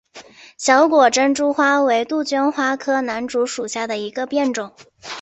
小果珍珠花为杜鹃花科南烛属下的一个变种。